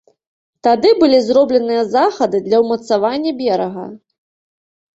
Тады былі зробленыя захады для ўмацавання берага.